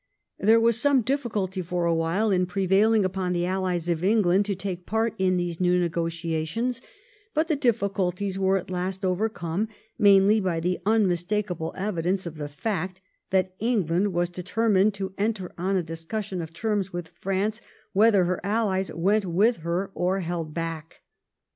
There was some difficulty for a while in prevailing upon the allies of England to take part in these new negotiations, but the difficulties were at last overcome mainly by unmistakable evidence of the fact that England was determined to enter on a discussion of terms with France whether her allies went with her or held back.